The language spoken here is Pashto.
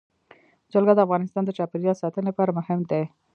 جلګه د افغانستان د چاپیریال ساتنې لپاره مهم دي.